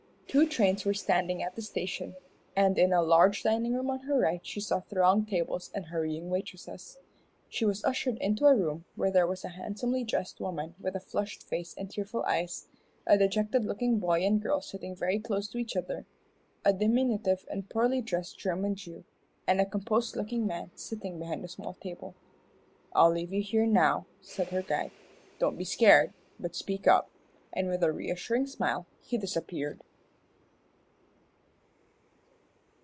Two trains were standing at the station, and in a large dining room on her right she saw thronged tables and hurrying waitresses. She was ushered into a room where there was a handsomely dressed woman with a flushed face and tearful eyes, a dejected looking boy and girl sitting very close to each other, a diminutive and poorly dressed German Jew, and a composed looking man sitting behind a small table. "I'll have to leave you now," said her guide. "Don't be scared, but speak up," and with a reassuring smile he disappeared.